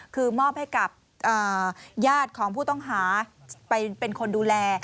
คือมอบให้กับญาติของผู้ต้องหาไปเป็นคนดูแล